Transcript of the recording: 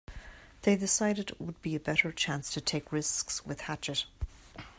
They decided it would be a better chance to take risks with Hachette.